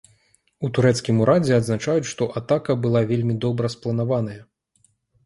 У турэцкім урадзе адзначаюць, што атака была вельмі добра спланаваная.